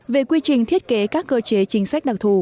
về quy trình thiết kế các cơ chế chính sách đặc thù